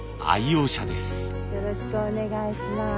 よろしくお願いします。